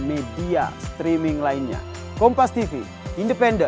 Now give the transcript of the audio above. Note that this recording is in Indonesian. kalau tersangka umurnya sekarang berapa